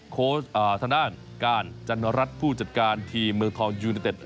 โค้ชทะนานการจันรัฐผู้จัดการทีมือทองยูนิเต็ด